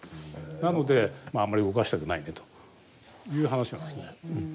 なのであんまり動かしたくないねという話なんですね。